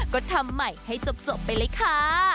ก็ทำใหม่ให้จบไปเลยค่ะ